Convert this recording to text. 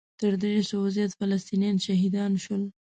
تر درې سوو زیات فلسطینیان شهیدان شول.